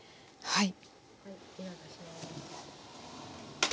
はい。